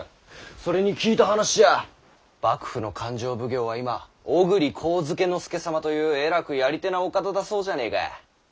それに聞いた話じゃ幕府の勘定奉行は今小栗上野介様というえらくやり手なお方だそうじゃねぇか。